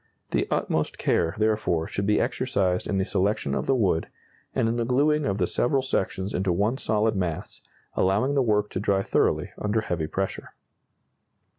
The utmost care, therefore, should be exercised in the selection of the wood, and in the glueing of the several sections into one solid mass, allowing the work to dry thoroughly under heavy pressure.